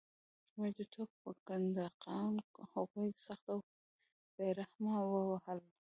موږ د ټوپک په کنداغونو هغوی سخت او بې رحمه ووهل